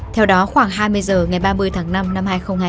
theo đó khoảng hai mươi h ngày ba mươi tháng năm năm hai nghìn hai mươi